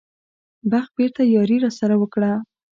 بخت بېرته یاري راسره وکړه.